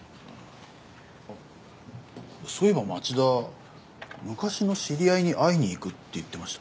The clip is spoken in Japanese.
あっそういえば町田昔の知り合いに会いに行くって言ってました。